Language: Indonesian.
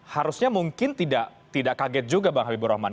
harusnya mungkin tidak kaget juga bang habibur rahman